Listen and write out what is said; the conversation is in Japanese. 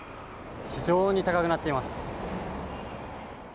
非常に高くなっています。